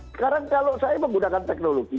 sekarang kalau saya menggunakan teknologi